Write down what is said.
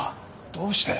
どうして？